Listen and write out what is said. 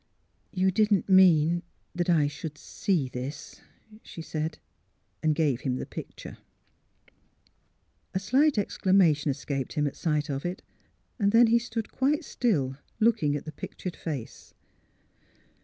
" You didn't mean that I — should see — this," she said. And gave him the picture. A slight exclamation escaped him at sight of it. Then he stood quite still, looking at the pic tured face.